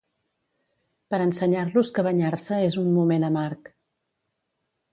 Per ensenyar-los que banyar-se és un moment amarg.